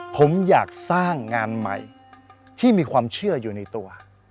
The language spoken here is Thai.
ผมอยากสร้างงานใหม่ที่มีความเชื่ออยู่ในตัว